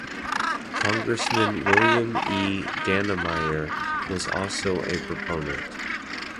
Congressman William E. Dannemeyer was also a proponent.